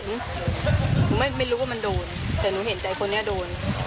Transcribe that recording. หนูไม่รู้ว่ามันโดนแต่หนูเห็นใจคนนี้โดน